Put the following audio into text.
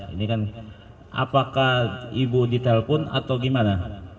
ini kan apakah ibu di telepon atau gimana